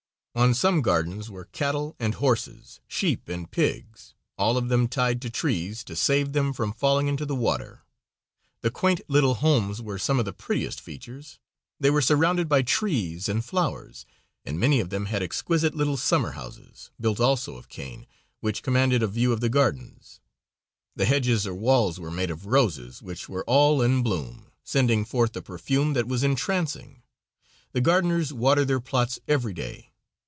On some gardens were cattle and horses, sheep and pigs, all of them tied to trees to save them from falling into the water. The quaint little homes were some of the prettiest features; they were surrounded by trees and flowers, and many of them had exquisite little summer houses, built also of cane, which commanded a view of the gardens. The hedges or walls were made of roses, which were all in bloom, sending forth a perfume that was entrancing. The gardeners water their plots every day.